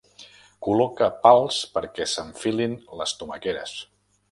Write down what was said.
Col·loca pals perquè s'enfilin les tomaqueres.